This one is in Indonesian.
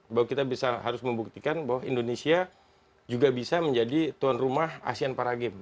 bahwa kita bisa harus membuktikan bahwa indonesia juga bisa menjadi tuan rumah asean para games